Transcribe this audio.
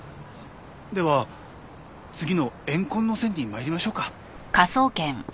では次の怨恨の線に参りましょうか。